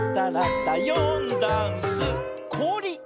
「よんだんす」「こおり」！